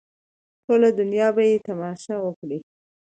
ټوله دنیا به یې تماشه وکړي.